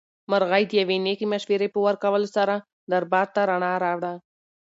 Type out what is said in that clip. مرغۍ د یوې نېکې مشورې په ورکولو سره دربار ته رڼا راوړه.